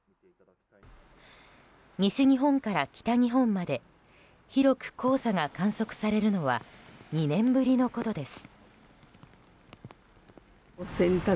西日本から北日本まで広く黄砂が観測されるのは２年ぶりのことです。